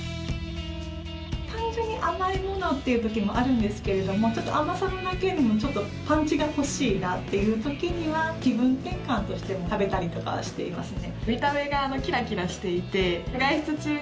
単純に甘いものっていう時もあるんですけども甘さの中にパンチが欲しいなっていう時には気分転換として食べたりとかしていますね。